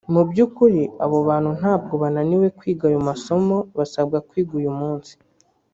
Mu by’ukuri abo bantu ntabwo bananiwe kwiga ayo masomo basabwa kwiga uyu munsi